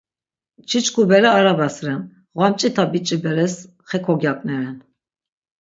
Çiçkubere arabas ren, ğvamç̌it̆a biç̌i beres xe kogyaǩneren.